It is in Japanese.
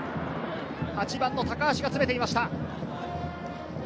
８番・高橋が詰めていました。